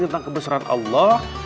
tentang kebesaran allah